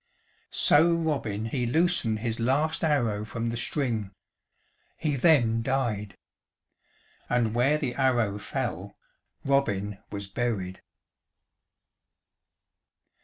So Robin he loosened his last arrow from the string. He then died. And where the arrow fell Robin was buried.